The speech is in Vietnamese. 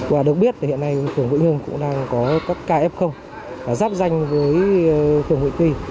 và được biết hiện nay phường vũ nhưng cũng đang có các ca f giáp danh với phường vũ quỳ